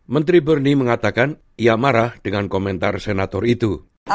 menteri bernie mengatakan ia marah dengan komentar senator itu